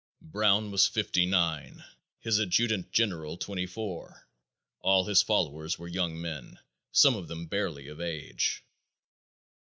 Brown was fifty nine; his adjutant general twenty four. All his followers were young men, some of them barely of age.